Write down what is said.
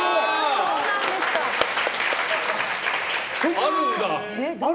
あるんだ。